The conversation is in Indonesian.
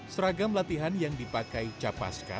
seragam latihan yang dipakai capaska